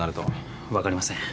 分かりません。